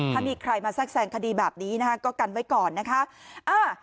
ถ้ามีใครมาแทรกแซงคดีแบบนี้นะคะก็กันไว้ก่อนนะคะ